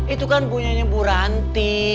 itu kan bunyinya bu ranti